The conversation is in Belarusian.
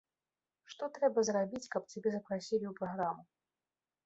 Што трэба зрабіць, каб цябе запрасілі ў праграму?